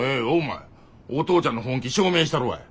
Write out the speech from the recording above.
お父ちゃんの本気証明したるわい。